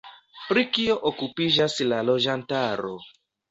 Pri kio okupiĝas la loĝantaro?